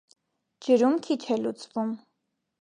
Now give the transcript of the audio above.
Ջրում քիչ է լուծվում։